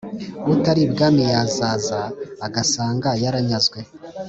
utari i bwami yazaza agasanga yaranyazwe,